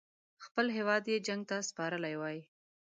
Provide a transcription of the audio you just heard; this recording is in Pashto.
خپل هیواد یې جنګ ته سپارلی وای.